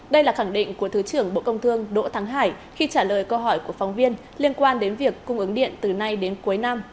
đây là khẳng định của thứ trưởng bộ công thương đỗ thắng hải khi trả lời câu hỏi của phóng viên liên quan đến việc cung ứng điện từ nay đến cuối năm